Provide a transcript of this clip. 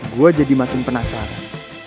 gue jadi makin penasaran